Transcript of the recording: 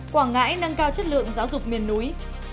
quảng ngãi nâng cao chất lượng giáo dục miền núi